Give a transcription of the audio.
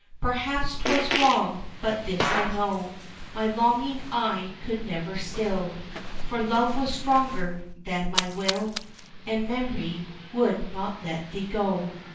Perhaps 'twas wrong, but this I know My longing I could never still, For love was stronger than my will, And mem'ry would not let thee go.